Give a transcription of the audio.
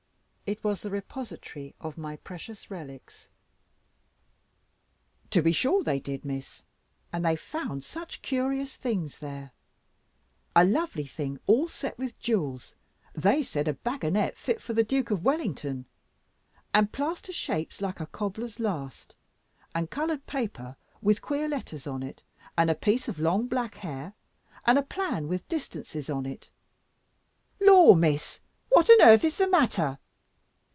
It was the repository of my precious relics. "To be sure they did, Miss, and they found such curious things there! A lovely thing all set with jewels, they said, a baggonet fit for the Duke of Wellington, and plaster shapes like a cobbler's last, and coloured paper with queer letters on it, and a piece of long black hair, and a plan with distances on it Lor, Miss, what on earth is the matter?